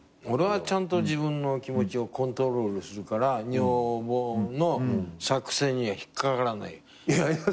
俺はちゃんと自分の気持ちをコントロールするから女房の作戦には引っかからない。